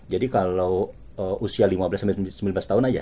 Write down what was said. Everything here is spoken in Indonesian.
jadi kalau usia lima belas sembilan belas tahun aja